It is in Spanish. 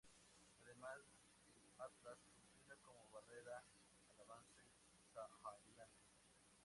Además el Atlas funciona como barrera al avance sahariano.